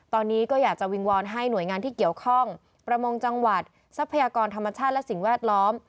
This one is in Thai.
ตอนนี้ก็อยากจะวิงวอนให้หน่วยงานที่เกี่ยวข้องประมงจังหวัดทรัพยากรธรรมชาติและสิ่งแวดล้อม